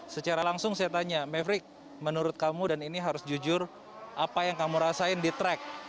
secara langsung saya tanya maverick menurut kamu dan ini harus jujur apa yang kamu rasain di track